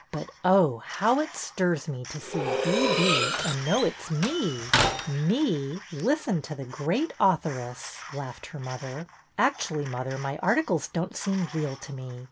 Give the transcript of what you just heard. But oh, how it stirs me to see ' B. B.' and know it 's me !"' Me !' Listen to the great authoress !" laughed her mother. Actually, mother, my articles don't seem real to me.